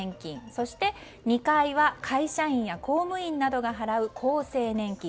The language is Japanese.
そして２階は会社員や公務員などが払う厚生年金。